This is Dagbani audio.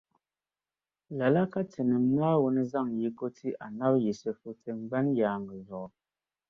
Lala ka Tinim’ Naawuni zaŋ yiko ti Annabi Yisifu tiŋgbani yaaŋa zuɣu.